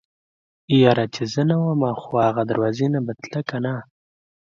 يره چې زه نه ومه خو اغه دروازې نه به تله کنه.